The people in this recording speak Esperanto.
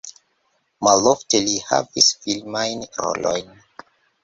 Malofte li havis filmajn rolojn.